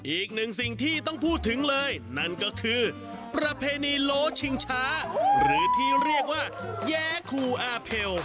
อีกหนึ่งสิ่งที่ต้องพูดถึงเลยนั่นก็คือประเพณีโลชิงช้าหรือที่เรียกว่าแย้คูอาเพล